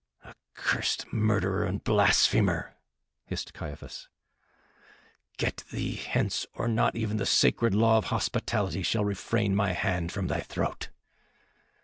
"Accursed murderer and blasphemer!" hissed Caiaphas. "Get thee hence, or not even the sacred law of hospitality shall refrain my hand from thy throat."